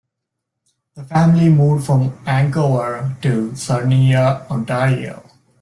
The family moved from Vancouver to Sarnia, Ontario.